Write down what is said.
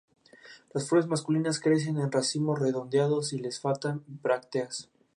Las flores masculinas crecen en racimos redondeados y les faltan las brácteas.